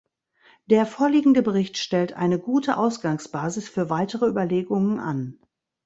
Der vorliegende Bericht stellt eine gute Ausgangsbasis für weitere Überlegungen an.